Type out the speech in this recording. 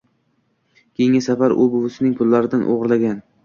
Keyingi safar u buvisining pullaridan o‘g‘irlagan.